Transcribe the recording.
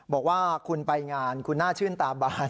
บอกว่าคุณไปงานคุณน่าชื่นตาบาน